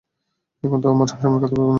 এখন তো আমার সামনে কাঁদতে পারবে আব্বা।